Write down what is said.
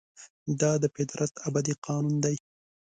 دا د فطرت ابدي قانون دی.